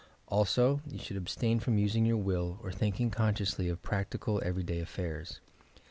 Also you should abstain from using your will or thinking consciously of practical, every day affairs.